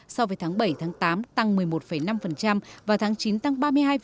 so với tháng bảy tháng tám tăng một mươi một năm và tháng chín tăng ba mươi hai bốn